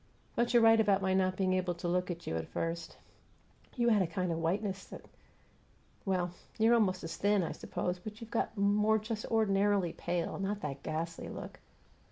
But you're right about my not being able to look at you at first. You had a kind of whiteness that Well, you're almost as thin, I suppose, but you've got more just ordinarily pale; not that ghastly look.